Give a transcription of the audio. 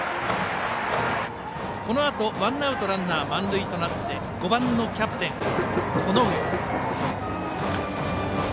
このあとワンアウトランナー満塁となって５番のキャプテン、此上。